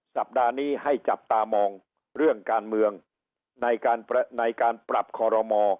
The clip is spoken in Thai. สัปดาห์นี้ให้จับตามองเรื่องการเมืองในการในการปรับคอรมอ